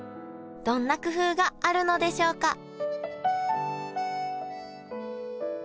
どんな工夫があるのでしょうか？